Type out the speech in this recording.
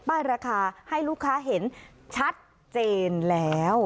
ราคาให้ลูกค้าเห็นชัดเจนแล้ว